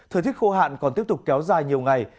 thời tiết khô hạn còn tiếp tục kéo dài nhiều ngày